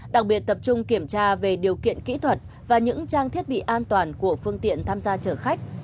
đặc biệt tập trung kiểm tra về điều kiện kỹ thuật và những trang thiết bị an toàn của phương tiện tham gia chở khách